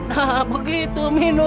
nah begitu minum